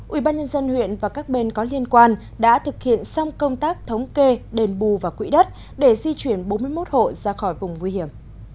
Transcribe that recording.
ubnd huyện và các bên có liên quan đã thực hiện xong công tác thống kê đền bù và quỹ đất để di chuyển bốn mươi một hộ ra khỏi vùng nguy hiểm